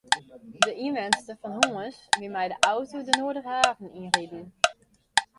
De ynwenster fan Harns wie mei de auto de Noarderhaven yn riden.